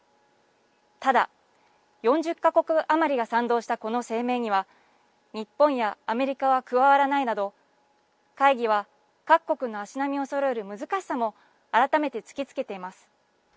ただ、４０か国余りが賛同したこの声明には日本やアメリカは加わらないなど会議は、各国の足並みをそろえる難しさも改めて突きつけています。